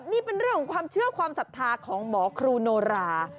นี่เป็นเรื่องของความเชื่อความศรัทธาของหมอครูโนรา